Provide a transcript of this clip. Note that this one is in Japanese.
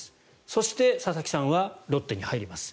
そして、佐々木さんはロッテに入ります。